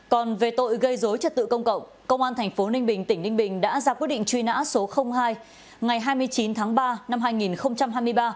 còn về tội gây dối trật tự công cộng công an tp ninh bình tỉnh ninh bình đã ra quyết định truy nã số hai ngày hai mươi chín tháng ba năm hai nghìn hai mươi ba